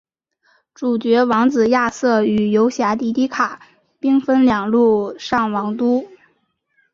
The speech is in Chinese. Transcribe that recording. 主角王子亚瑟与游侠迪迪卡兵分两路上王都。